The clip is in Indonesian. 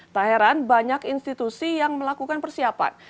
tak heran banyak institusi yang melakukan persiapan